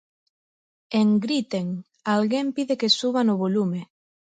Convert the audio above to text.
En 'Griten', alguén pide que suban o volume.